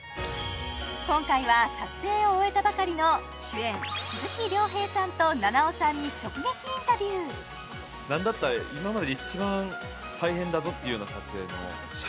今回は撮影を終えたばかりの主演鈴木亮平さんと菜々緒さんに直撃インタビュー何だったらおはようございます